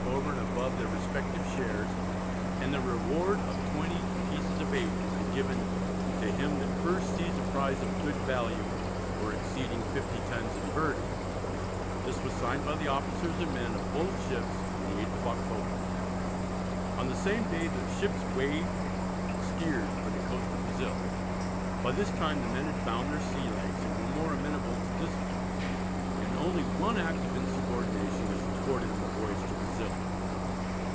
over and above their respective shares, and that a reward of twenty pieces of eight would be given "to him that first sees a prize of good value, or exceeding 50 tons in burden." This was signed by the officers and men of both ships on the 8th of October. On the same day the ships weighed and steered for the coast of Brazil. By this time the men had found their sea legs and were more amenable to discipline, and only one act of insubordination is recorded on the voyage to Brazil.